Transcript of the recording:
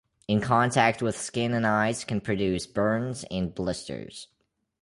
In contact with skin and eyes can produce burns and blisters.